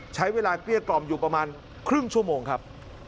เกลี้ยกล่อมอยู่ประมาณครึ่งชั่วโมงครับ